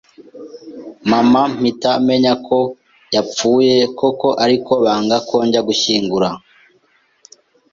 mama mpita menya ko yapfuye koko ariko banga ko njya gushyingura